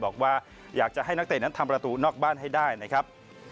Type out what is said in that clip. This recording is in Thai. บอกว่าอยากจะให้นักเตะนั้นทำประตูนอกบ้านให้ได้นะครับ